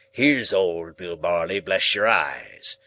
Here's old Bill Barley, bless your eyes.